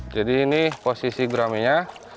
jadi ini posisi guraminya